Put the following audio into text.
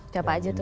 dapak aja tuh